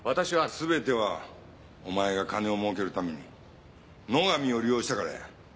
すべてはお前が金を儲けるために野上を利用したからや。